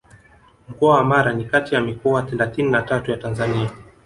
Mkoa wa Mara ni kati ya mikoa thelathini na tatu ya Tanzania